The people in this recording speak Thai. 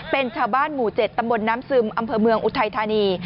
เป็นชาวบ้านหมู่๗ตำบลน้ำซึมอำเภอเมืองอุทัยธานี